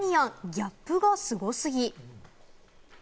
ギャップがすごすぎ！